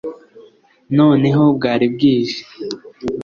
noneho bwari bwije